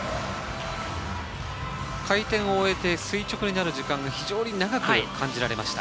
回転を終えて垂直になる時間が非常に長く感じられました。